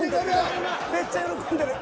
めっちゃ喜んでる！